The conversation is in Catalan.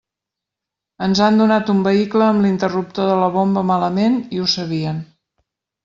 Ens han donat un vehicle amb l'interruptor de la bomba malament i ho sabien.